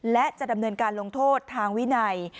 และจะดำเนินการลงโทษทางวินัย